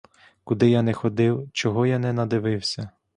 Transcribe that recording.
Куди я не ходив, чого я не надивився!